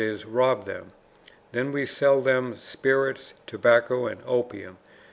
e., rob them; then we sell them spirits, tobacco, and opium, i.